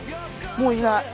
もういない。